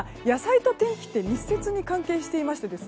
野菜と天気は密接に関係していました